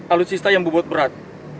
alutsista yang bubut berat